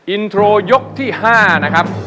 อินโทรยกที่๕นะครับ